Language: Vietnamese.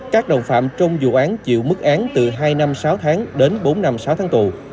các đồng phạm trong vụ án chịu mức án từ hai năm sáu tháng đến bốn năm sáu tháng tù